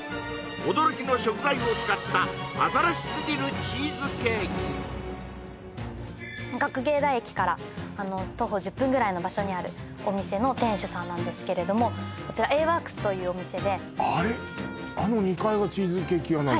驚きの食材を使った新しすぎるチーズケーキぐらいの場所にあるお店の店主さんなんですけれどもこちらＡＷＯＲＫＳというお店であれあの２階がチーズケーキ屋なの？